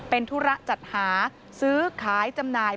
เป็นธุระจัดหาซื้อขายจำหน่าย